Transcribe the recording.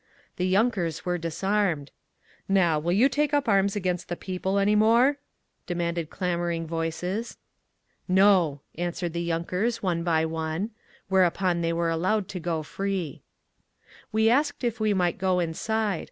The yunkers were disarmed. "Now, will you take up arms against the People any more?" demanded clamouring voices. "No," answered the yunkers, one by one. Whereupon they were allowed to go free. We asked if we might go inside.